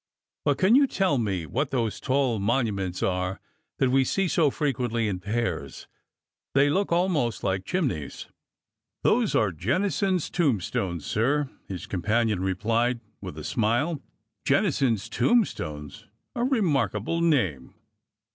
But can you tell me what those tall monuments are that we see so frequently in pairs? They look almost like chimneys." '' Those are ' Jennison's Tombstones,' sir," his com panion replied with a smile. ' Jennison's Tombstones'? A remarkable name!